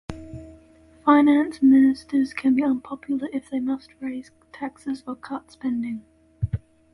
Finance ministers can be unpopular if they must raise taxes or cut spending.